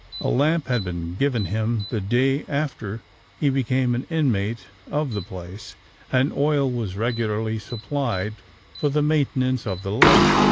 A lamp had been given him the day after he became an inmate of the place; and oil was regularly supplied for the maintenance of the light.